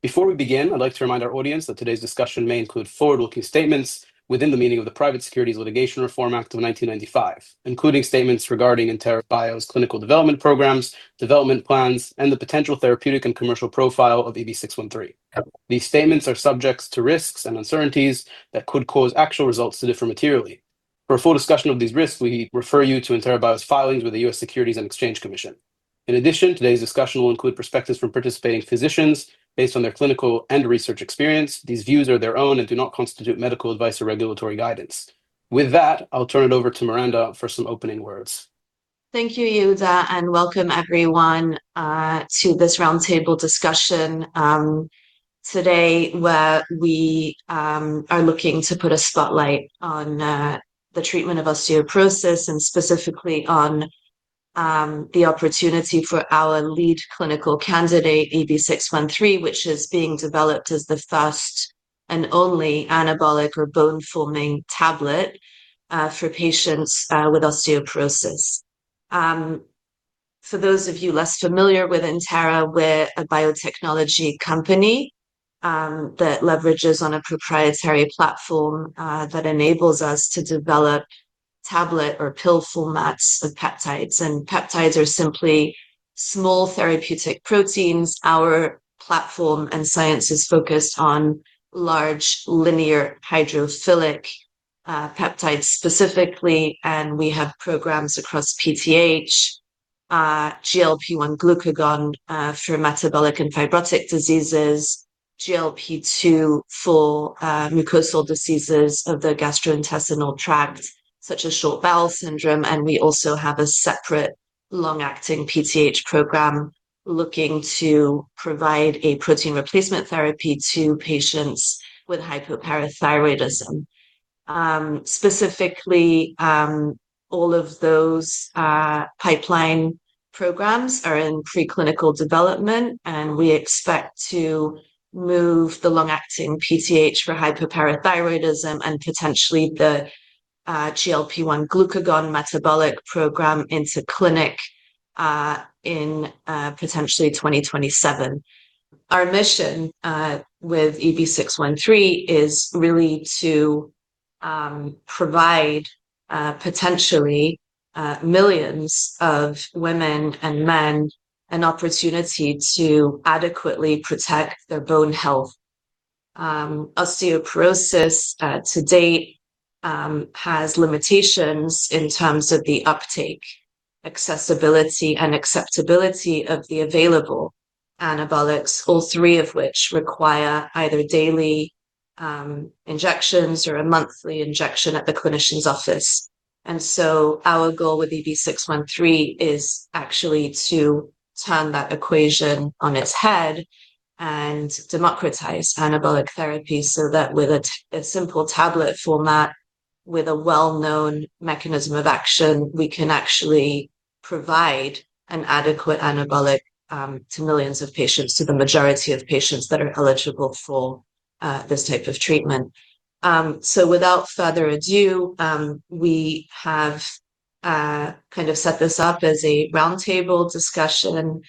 Before we begin, I'd like to remind our audience that today's discussion may include forward-looking statements within the meaning of the Private Securities Litigation Reform Act of 1995, including statements regarding Entera Bio's clinical development programs, development plans, and the potential therapeutic and commercial profile of EB613. These statements are subject to risks and uncertainties that could cause actual results to differ materially. For a full discussion of these risks, we refer you to Entera Bio's filings with the U.S. Securities and Exchange Commission. In addition, today's discussion will include perspectives from participating physicians based on their clinical and research experience. These views are their own and do not constitute medical advice or regulatory guidance. With that, I'll turn it over to Miranda for some opening words. Thank you, Yehuda, and welcome everyone to this roundtable discussion today where we are looking to put a spotlight on the treatment of osteoporosis, and specifically on the opportunity for our lead clinical candidate, EB613, which is being developed as the first and only anabolic or bone-forming tablet for patients with osteoporosis. For those of you less familiar with Entera, we're a biotechnology company that leverages on a proprietary platform that enables us to develop tablet or pill formats of peptides, and peptides are simply small therapeutic proteins. Our platform and science is focused on large, linear hydrophilic peptides specifically, and we have programs across PTH, GLP-1, glucagon for metabolic and fibrotic diseases, GLP-2 for mucosal diseases of the gastrointestinal tract, such as short bowel syndrome, and we also have a separate long-acting PTH program looking to provide a protein replacement therapy to patients with hypoparathyroidism. Specifically, all of those pipeline programs are in preclinical development, and we expect to move the long-acting PTH for hypoparathyroidism and potentially the GLP-1 glucagon metabolic program into clinic in potentially 2027. Our mission with EB613 is really to provide potentially millions of women and men an opportunity to adequately protect their bone health. Osteoporosis to date has limitations in terms of the uptake, accessibility, and acceptability of the available anabolics. All three of which require either daily injections or a monthly injection at the clinician's office. Our goal with EB613 is actually to turn that equation on its head and democratize anabolic therapy so that with a simple tablet format with a well-known mechanism of action, we can actually provide an adequate anabolic to millions of patients, to the majority of patients that are eligible for this type of treatment. Without further ado, we have set this up as a roundtable discussion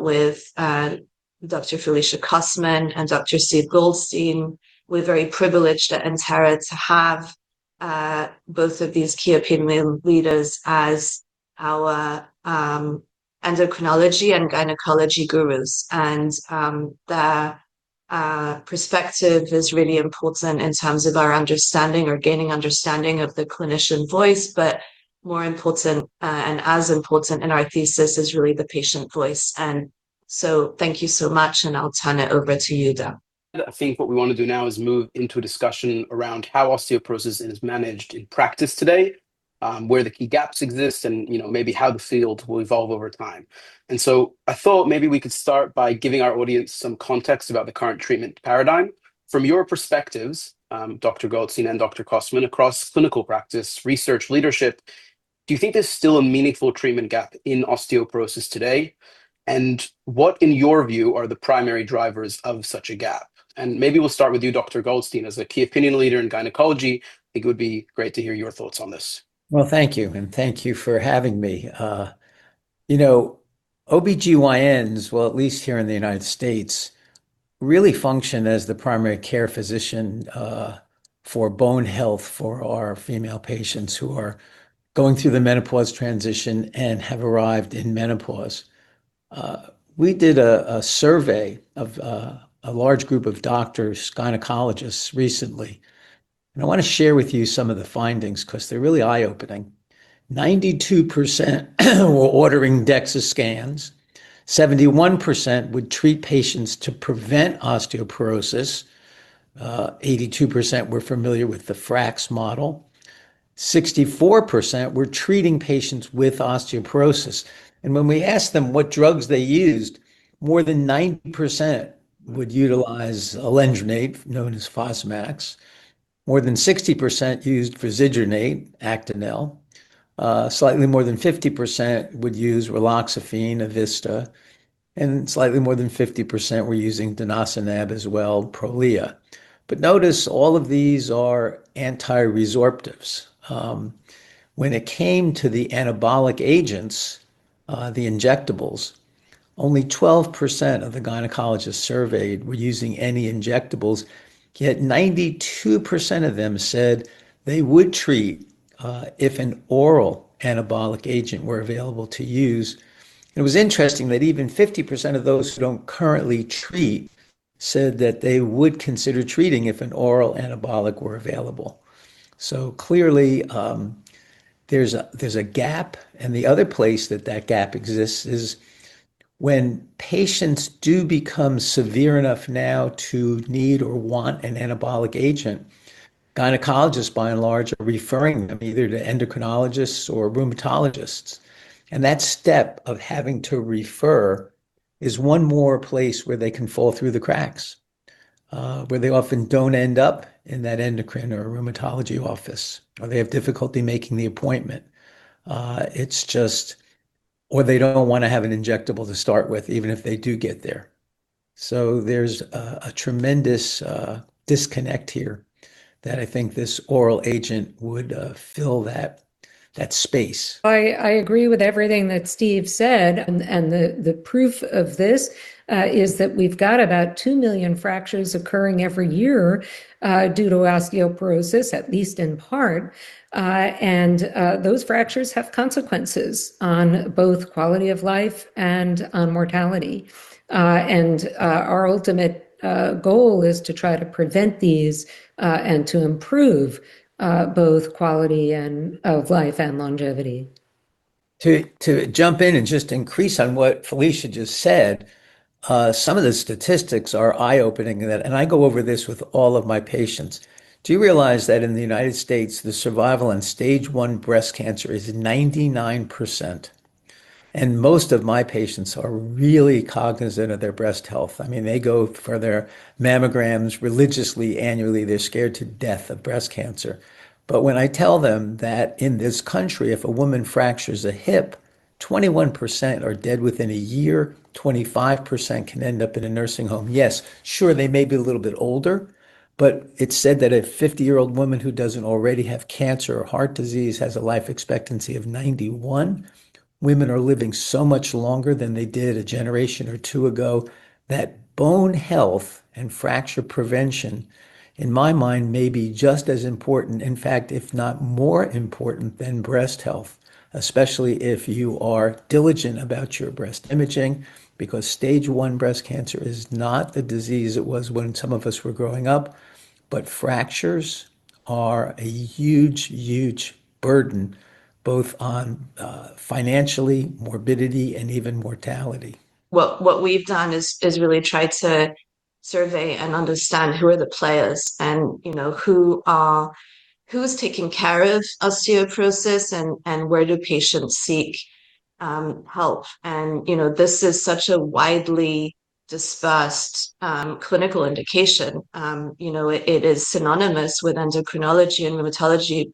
with Dr. Felicia Cosman and Dr. Steve Goldstein. We're very privileged at Entera to have both of these key opinion leaders as our endocrinology and gynecology gurus. Their perspective is really important in terms of our understanding or gaining understanding of the clinician voice, but more important, and as important in our thesis is really the patient voice. Thank you so much, and I'll turn it over to Yehuda. I think what we want to do now is move into a discussion around how osteoporosis is managed in practice today, where the key gaps exist, and maybe how the field will evolve over time. I thought maybe we could start by giving our audience some context about the current treatment paradigm. From your perspectives, Dr. Goldstein and Dr. Cosman, across clinical practice, research leadership, do you think there's still a meaningful treatment gap in osteoporosis today? What, in your view, are the primary drivers of such a gap? Maybe we'll start with you, Dr. Goldstein. As a key opinion leader in gynecology, it would be great to hear your thoughts on this. Well, thank you, and thank you for having me. OB-GYNs, well at least here in the United States, really function as the primary care physician for bone health for our female patients who are going through the menopause transition and have arrived in menopause. We did a survey of a large group of doctors, gynecologists, recently, and I want to share with you some of the findings because they're really eye-opening. 92% were ordering DXA scans, 71% would treat patients to prevent osteoporosis, 82% were familiar with the FRAX model, 64% were treating patients with osteoporosis. When we asked them what drugs they used, more than 90% would utilize alendronate, known as Fosamax. More than 60% used risedronate, Actonel. Slightly more than 50% would use raloxifene, Evista, and slightly more than 50% were using denosumab as well, Prolia. Notice all of these are antiresorptives. When it came to the anabolic agents, the injectables, only 12% of the gynecologists surveyed were using any injectables, yet 92% of them said they would treat if an oral anabolic agent were available to use. It was interesting that even 50% of those who don't currently treat said that they would consider treating if an oral anabolic were available. Clearly, there's a gap, and the other place that that gap exists is when patients do become severe enough now to need or want an anabolic agent, gynecologists by and large are referring them either to endocrinologists or rheumatologists. That step of having to refer is one more place where they can fall through the cracks, where they often don't end up in that endocrine or rheumatology office, or they have difficulty making the appointment. They don't want to have an injectable to start with, even if they do get there. There's a tremendous disconnect here that I think this oral agent would fill that space. I agree with everything that Steve said, and the proof of this is that we've got about two million fractures occurring every year due to osteoporosis, at least in part, and those fractures have consequences on both quality of life and on mortality. Our ultimate goal is to try to prevent these and to improve both quality of life and longevity. To jump in and just increase on what Felicia just said, some of the statistics are eye-opening, and I go over this with all of my patients. Do you realize that in the United States, the survival in Stage 1 breast cancer is 99%? Most of my patients are really cognizant of their breast health. They go for their mammograms religiously, annually. They're scared to death of breast cancer. When I tell them that in this country, if a woman fractures a hip, 21% are dead within a year, 25% can end up in a nursing home. Yes, sure, they may be a little bit older, but it's said that a 50-year-old woman who doesn't already have cancer or heart disease has a life expectancy of 91. Women are living so much longer than they did a generation or two ago that bone health and fracture prevention, in my mind, may be just as important, in fact, if not more important than breast health, especially if you are diligent about your breast imaging, because Stage 1 breast cancer is not the disease it was when some of us were growing up. Fractures are a huge, huge burden, both on financially, morbidity, and even mortality. What we've done is really try to survey and understand who are the players and who's taking care of osteoporosis, and where do patients seek help. This is such a widely discussed clinical indication. It is synonymous with endocrinology and rheumatology,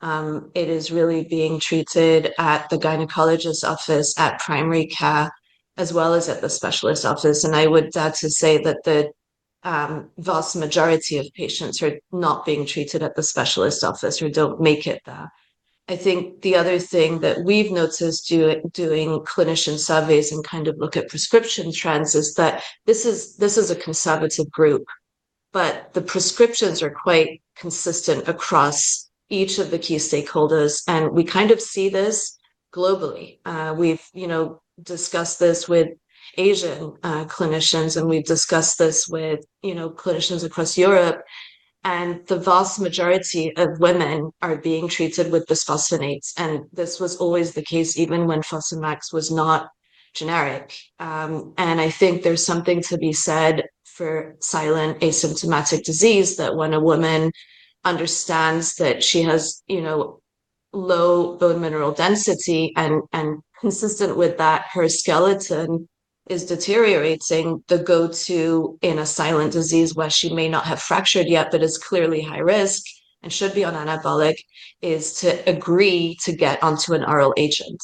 but it is really being treated at the gynecologist's office, at primary care, as well as at the specialist office. I would dare to say that the vast majority of patients are not being treated at the specialist office, or don't make it there. I think the other thing that we've noticed doing clinician surveys and kind of look at prescription trends is that this is a conservative group, but the prescriptions are quite consistent across each of the key stakeholders, and we kind of see this globally. We've discussed this with Asian clinicians, and we've discussed this with clinicians across Europe, and the vast majority of women are being treated with bisphosphonates, and this was always the case even when Fosamax was not generic. I think there's something to be said for silent asymptomatic disease, that when a woman understands that she has low bone mineral density and consistent with that, her skeleton is deteriorating, the go-to in a silent disease where she may not have fractured yet but is clearly high risk and should be on anabolic, is to agree to get onto an oral agent.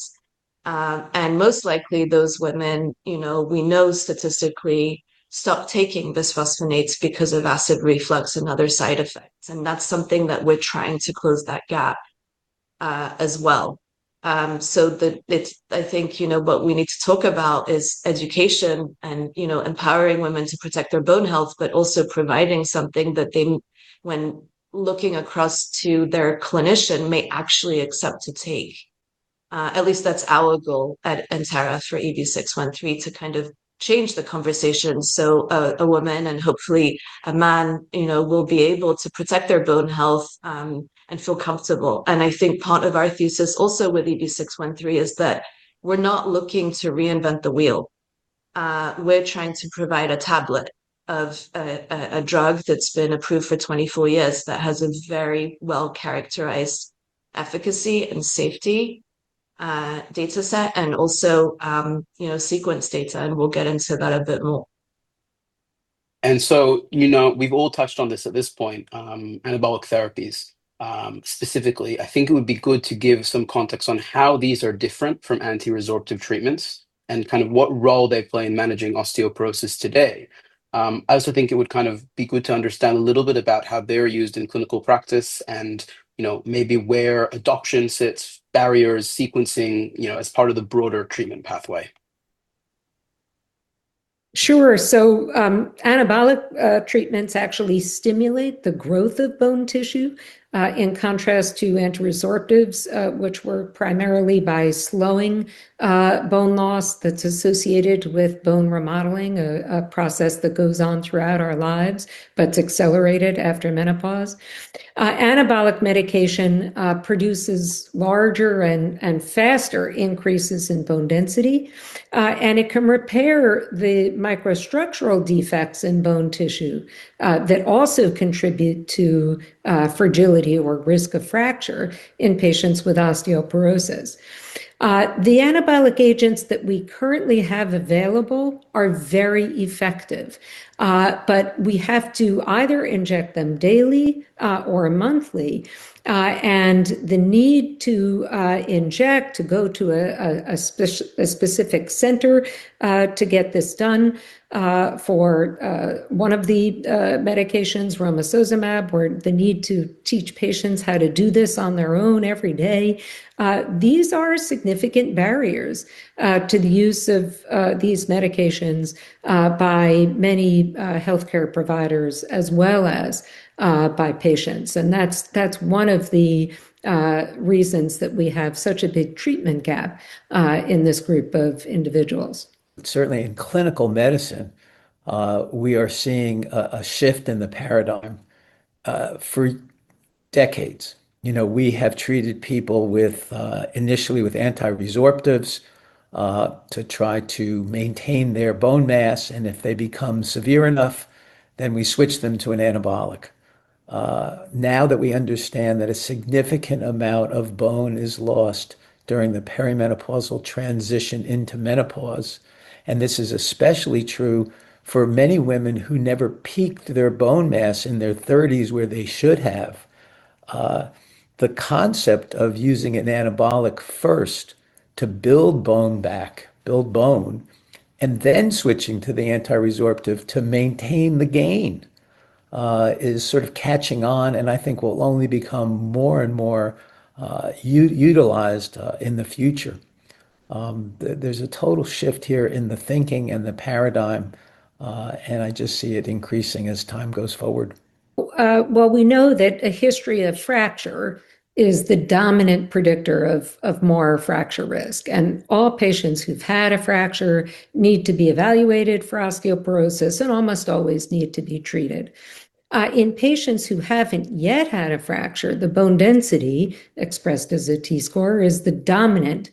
Most likely those women we know statistically stop taking bisphosphonates because of acid reflux and other side effects, and that's something that we're trying to close that gap as well. I think what we need to talk about is education and empowering women to protect their bone health, but also providing something that they, when looking across to their clinician, may actually accept to take. At least that's our goal at Entera for EB613, to kind of change the conversation so a woman and hopefully a man will be able to protect their bone health and feel comfortable. I think part of our thesis also with EB613 is that we're not looking to reinvent the wheel. We're trying to provide a tablet of a drug that's been approved for 24 years that has a very well-characterized efficacy and safety dataset and also sequence data, and we'll get into that a bit more. We've all touched on this at this point, anabolic therapies specifically. I think it would be good to give some context on how these are different from antiresorptive treatments and kind of what role they play in managing osteoporosis today. I also think it would kind of be good to understand a little bit about how they're used in clinical practice and maybe where adoption sits, barriers, sequencing, as part of the broader treatment pathway. Sure. Anabolic treatments actually stimulate the growth of bone tissue in contrast to antiresorptives, which work primarily by slowing bone loss that's associated with bone remodeling, a process that goes on throughout our lives but it's accelerated after menopause. Anabolic medication produces larger and faster increases in bone density, and it can repair the microstructural defects in bone tissue that also contribute to fragility or risk of fracture in patients with osteoporosis. The anabolic agents that we currently have available are very effective. We have to either inject them daily or monthly. The need to inject, to go to a specific center to get this done for one of the medications, romosozumab, or the need to teach patients how to do this on their own every day. These are significant barriers to the use of these medications by many healthcare providers as well as by patients. That's one of the reasons that we have such a big treatment gap in this group of individuals. Certainly in clinical medicine, we are seeing a shift in the paradigm. For decades, we have treated people initially with antiresorptives to try to maintain their bone mass, and if they become severe enough, then we switch them to an anabolic. Now that we understand that a significant amount of bone is lost during the perimenopausal transition into menopause, and this is especially true for many women who never peaked their bone mass in their 30s where they should have. The concept of using an anabolic first to build bone back, build bone, and then switching to the antiresorptive to maintain the gain is sort of catching on and I think will only become more and more utilized in the future. There's a total shift here in the thinking and the paradigm, and I just see it increasing as time goes forward. Well, we know that a history of fracture is the dominant predictor of more fracture risk, and all patients who've had a fracture need to be evaluated for osteoporosis and almost always need to be treated. In patients who haven't yet had a fracture, the bone density, expressed as a T-score, is the dominant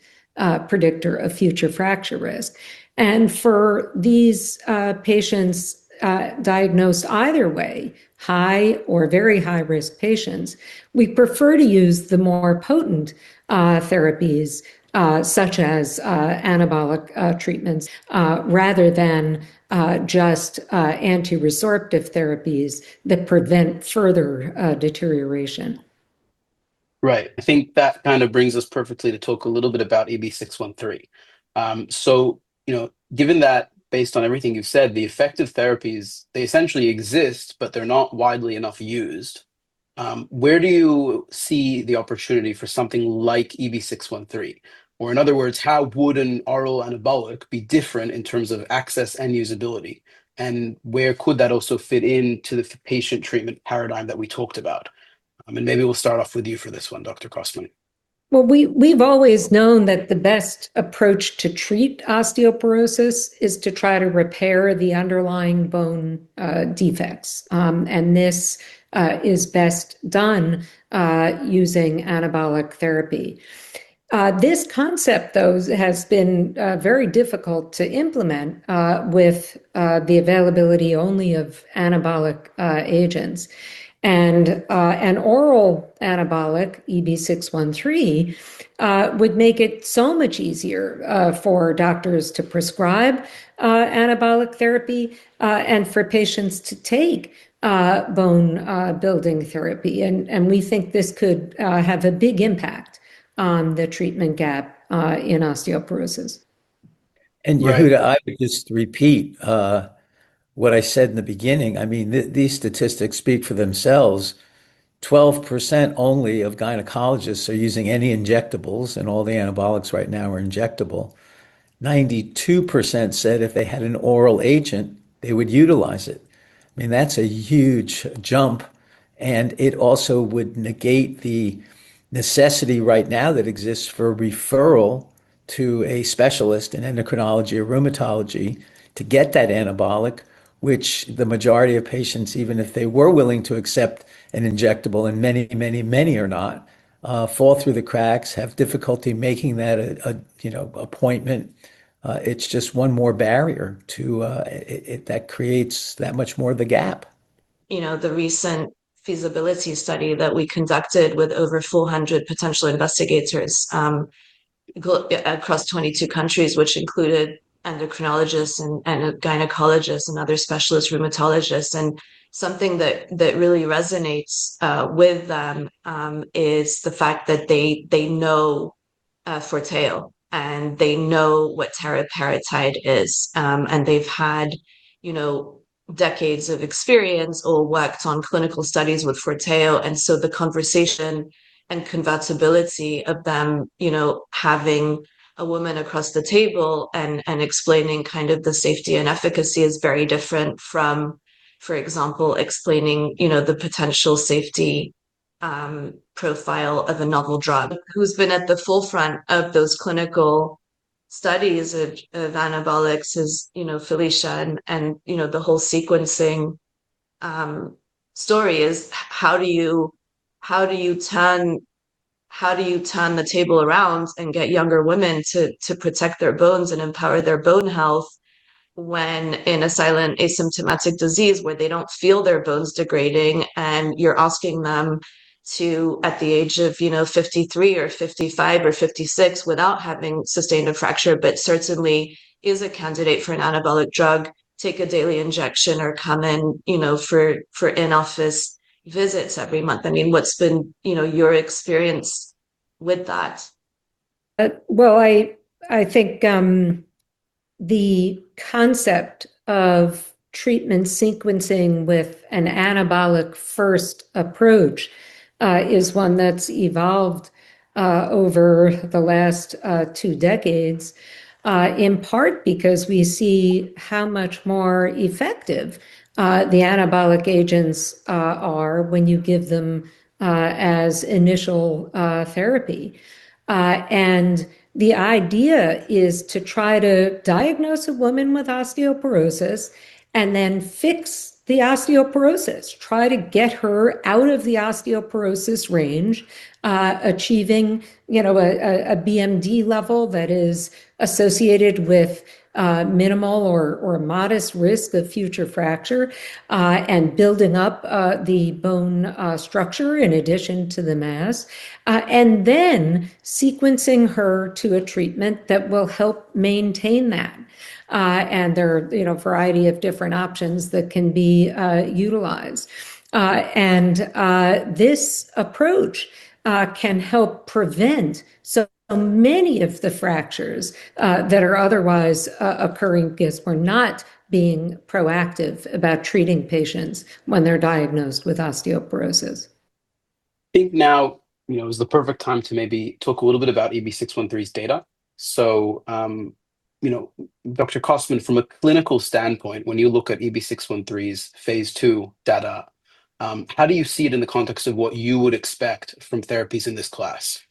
predictor of future fracture risk. For these patients diagnosed either way, high or very high-risk patients, we prefer to use the more potent therapies, such as anabolic treatments, rather than just antiresorptive therapies that prevent further deterioration. Right. I think that kind of brings us perfectly to talk a little bit about EB613. Given that based on everything you've said, the effective therapies, they essentially exist, but they're not widely enough used, where do you see the opportunity for something like EB613? In other words, how would an oral anabolic be different in terms of access and usability? Where could that also fit into the patient treatment paradigm that we talked about? Maybe we'll start off with you for this one, Dr. Cosman. Well, we've always known that the best approach to treat osteoporosis is to try to repair the underlying bone defects. This is best done using anabolic therapy. This concept, though, has been very difficult to implement with the availability only of anabolic agents. An oral anabolic, EB613, would make it so much easier for doctors to prescribe anabolic therapy and for patients to take bone building therapy. We think this could have a big impact on the treatment gap in osteoporosis. Yehuda Right I would just repeat what I said in the beginning. These statistics speak for themselves. 12% only of gynecologists are using any injectables, and all the anabolics right now are injectable. 92% said if they had an oral agent, they would utilize it. That's a huge jump, and it also would negate the necessity right now that exists for a referral to a specialist in endocrinology or rheumatology to get that anabolic, which the majority of patients, even if they were willing to accept an injectable, and many are not, fall through the cracks, have difficulty making that appointment. It's just one more barrier that creates that much more of the gap. The recent feasibility study that we conducted with over 400 potential investigators across 22 countries, which included endocrinologists and gynecologists and other specialists, rheumatologists, something that really resonates with them is the fact that they know Forteo and they know what teriparatide is. They've had decades of experience or worked on clinical studies with Forteo. The conversation and credibility of them having a woman across the table and explaining kind of the safety and efficacy is very different from, for example, explaining the potential safety profile of a novel drug. Who's been at the forefront of those clinical studies of anabolics is Felicia, and the whole sequencing story is how do you turn the table around and get younger women to protect their bones and empower their bone health when in a silent, asymptomatic disease where they don't feel their bones degrading? You're asking them to, at the age of 53 or 55 or 56, without having sustained a fracture, but certainly is a candidate for an anabolic drug, take a daily injection or come in for in-office visits every month. What's been your experience with that? Well, I think the concept of treatment sequencing with an anabolic-first approach is one that's evolved over the last two decades, in part because we see how much more effective the anabolic agents are when you give them as initial therapy. The idea is to try to diagnose a woman with osteoporosis and then fix the osteoporosis, try to get her out of the osteoporosis range, achieving a BMD level that is associated with minimal or modest risk of future fracture, and building up the bone structure in addition to the mass, and then sequencing her to a treatment that will help maintain that. There are a variety of different options that can be utilized. This approach can help prevent so many of the fractures that are otherwise occurring because we're not being proactive about treating patients when they're diagnosed with osteoporosis. I think now is the perfect time to maybe talk a little bit about EB613's data. Dr. Cosman, from a clinical standpoint, when you look at EB613's phase II data, how do you see it in the context of what you would expect from therapies in this class?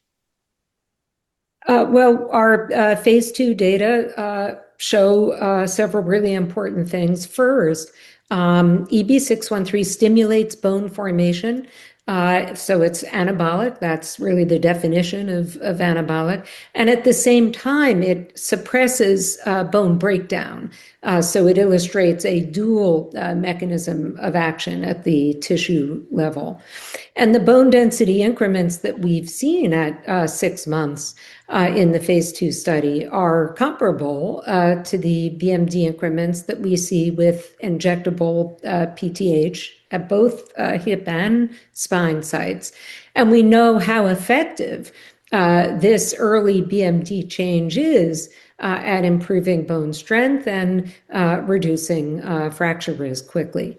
Well, our phase II data show several really important things. First, EB613 stimulates bone formation, so it's anabolic. That's really the definition of anabolic. At the same time, it suppresses bone breakdown. It illustrates a dual mechanism of action at the tissue level. The bone density increments that we've seen at six months in the phase II study are comparable to the BMD increments that we see with injectable PTH at both hip and spine sites. We know how effective this early BMD change is at improving bone strength and reducing fracture risk quickly.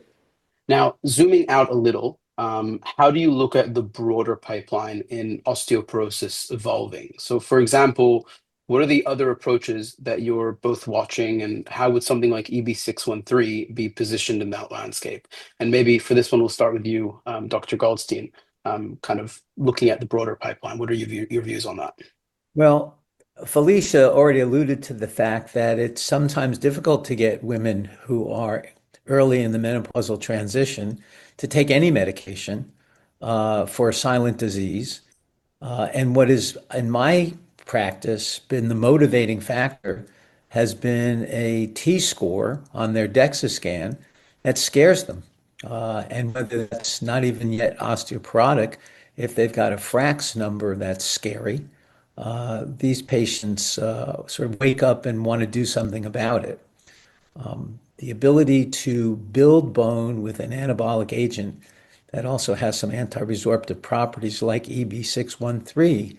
Now, zooming out a little, how do you look at the broader pipeline in osteoporosis evolving? For example, what are the other approaches that you're both watching, and how would something like EB613 be positioned in that landscape? Maybe for this one, we'll start with you, Dr. Goldstein. Kind of looking at the broader pipeline, what are your views on that? Well, Felicia already alluded to the fact that it's sometimes difficult to get women who are early in the menopausal transition to take any medication for a silent disease. What has, in my practice, been the motivating factor has been a T-score on their DXA scan that scares them. Whether that's not even yet osteoporotic, if they've got a FRAX number that's scary, these patients sort of wake up and want to do something about it. The ability to build bone with an anabolic agent that also has some antiresorptive properties like EB613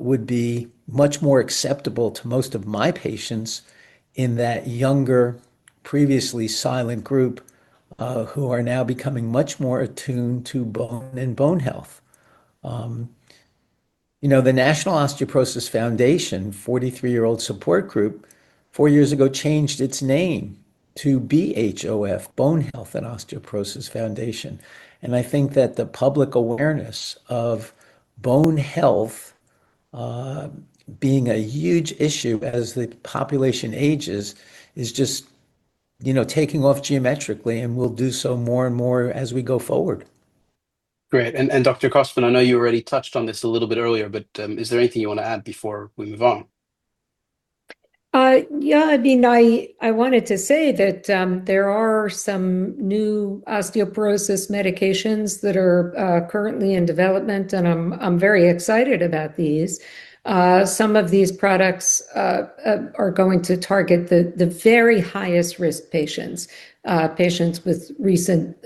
would be much more acceptable to most of my patients in that younger, previously silent group who are now becoming much more attuned to bone and bone health. The National Osteoporosis Foundation, 43-year-old support group, four years ago changed its name to BHOF, Bone Health & Osteoporosis Foundation. I think that the public awareness of bone health being a huge issue as the population ages is just taking off geometrically and will do so more and more as we go forward. Great. Dr. Cosman, I know you already touched on this a little bit earlier, but is there anything you want to add before we move on? Yeah. I wanted to say that there are some new osteoporosis medications that are currently in development, and I'm very excited about these. Some of these products are going to target the very highest risk patients with recent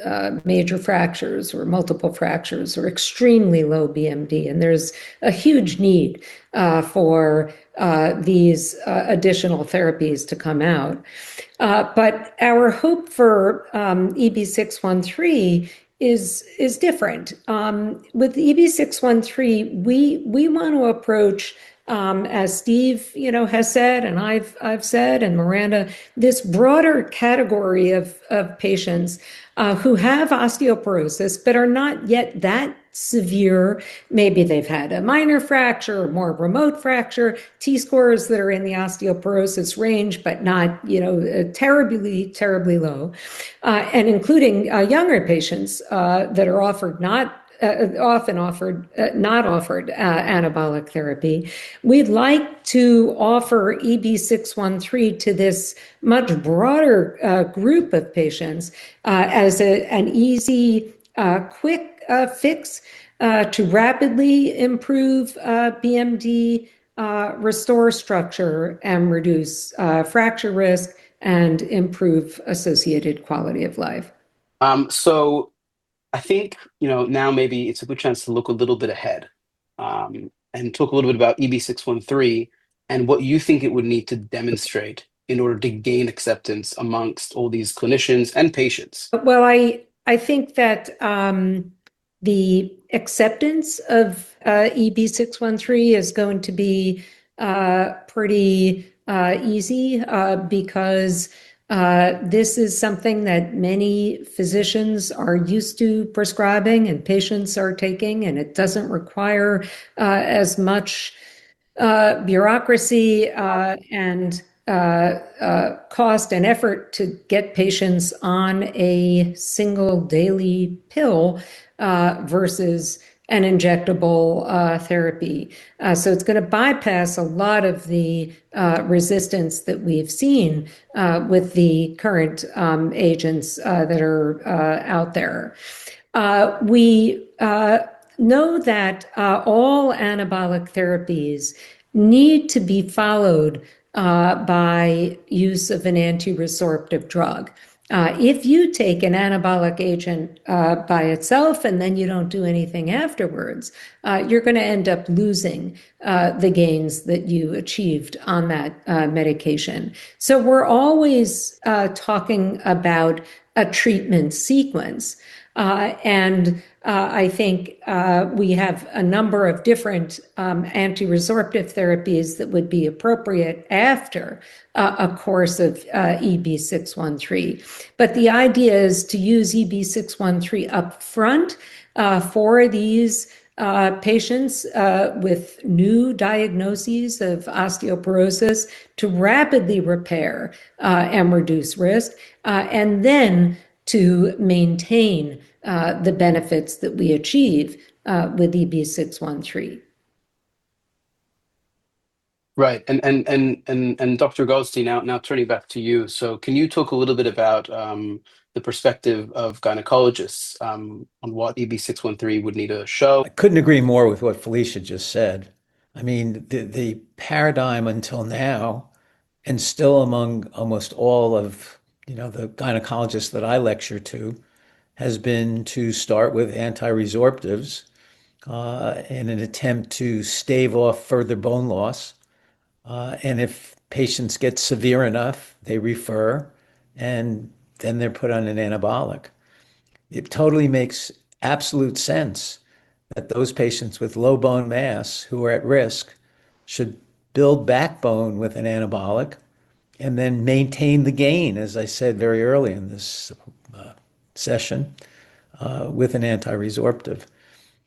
major fractures or multiple fractures or extremely low BMD. There's a huge need for these additional therapies to come out. Our hope for EB613 is different. With EB613, we want to approach, as Steve has said, and I've said, and Miranda, this broader category of patients who have osteoporosis but are not yet that severe. Maybe they've had a minor fracture or more remote fracture, T-scores that are in the osteoporosis range but not terribly low, including younger patients that are often not offered anabolic therapy. We'd like to offer EB613 to this much broader group of patients as an easy, quick fix to rapidly improve BMD, restore structure, and reduce fracture risk, and improve associated quality of life. I think now maybe it's a good chance to look a little bit ahead and talk a little bit about EB613 and what you think it would need to demonstrate in order to gain acceptance among all these clinicians and patients. Well, I think that the acceptance of EB613 is going to be pretty easy because this is something that many physicians are used to prescribing and patients are taking, and it doesn't require as much bureaucracy, and cost, and effort to get patients on a single daily pill versus an injectable therapy. It's going to bypass a lot of the resistance that we've seen with the current agents that are out there. We know that all anabolic therapies need to be followed by use of an antiresorptive drug. If you take an anabolic agent by itself and then you don't do anything afterwards, you're going to end up losing the gains that you achieved on that medication. We're always talking about a treatment sequence, and I think we have a number of different antiresorptive therapies that would be appropriate after a course of EB613. The idea is to use EB613 upfront for these patients with new diagnoses of osteoporosis to rapidly repair and reduce risk, and then to maintain the benefits that we achieve with EB613. Right. Dr. Goldstein, now turning back to you. Can you talk a little bit about the perspective of gynecologists on what EB613 would need to show? I couldn't agree more with what Felicia just said. The paradigm until now, and still among almost all of the gynecologists that I lecture to, has been to start with antiresorptives in an attempt to stave off further bone loss. If patients get severe enough, they refer, and then they're put on an anabolic. It totally makes absolute sense that those patients with low bone mass who are at risk should build bone back with an anabolic and then maintain the gain, as I said very early in this session, with an antiresorptive.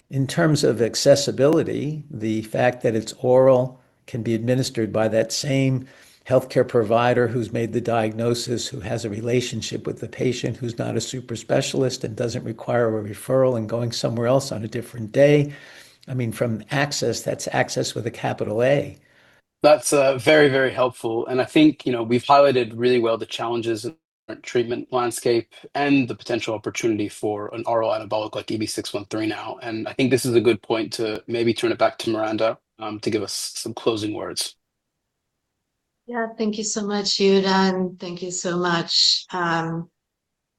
In terms of accessibility, the fact that it's oral can be administered by that same healthcare provider who's made the diagnosis, who has a relationship with the patient, who's not a super specialist and doesn't require a referral and going somewhere else on a different day. From access, that's access with a capital A. That's very helpful. I think we've highlighted really well the challenges in the current treatment landscape and the potential opportunity for an oral anabolic like EB613 now. I think this is a good point to maybe turn it back to Miranda to give us some closing words. Yeah. Thank you so much, Yehuda. Thank you so much,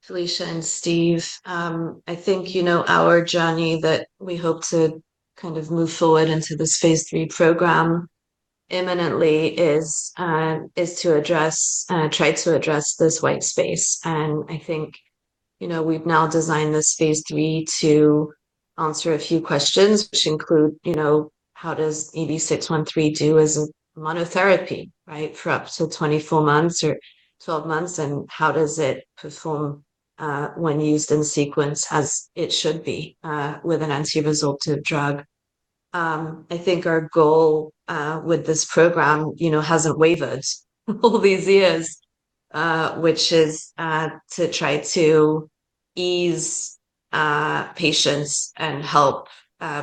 Felicia and Steve. I think you know our journey that we hope to kind of move forward into this phase III program imminently is to try to address this white space. I think we've now designed this phase III to answer a few questions, which include, how does EB613 do as a monotherapy, right, for up to 24 months or 12 months, and how does it perform when used in sequence as it should be with an anti-resorptive drug? I think our goal with this program hasn't wavered all these years, which is to try to ease patients and help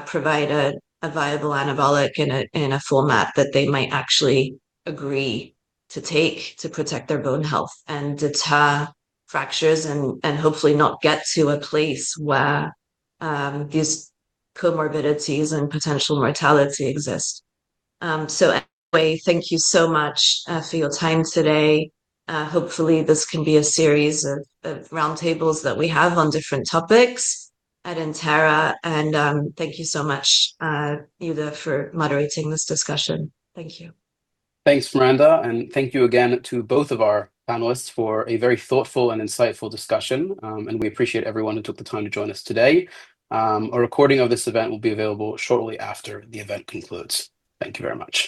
provide a viable anabolic in a format that they might actually agree to take to protect their bone health and deter fractures and hopefully not get to a place where these comorbidities and potential mortality exist. Anyway, thank you so much for your time today. Hopefully, this can be a series of round tables that we have on different topics at Entera, and thank you so much, Yehuda, for moderating this discussion. Thank you. Thanks, Miranda, and thank you again to both of our panelists for a very thoughtful and insightful discussion. We appreciate everyone who took the time to join us today. A recording of this event will be available shortly after the event concludes. Thank you very much.